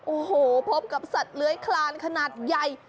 โอ้โหพบกับสัตว์เลื้อยคลานขนาดใหญ่